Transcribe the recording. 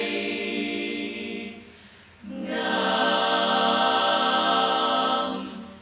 อย่าทำงานหนัว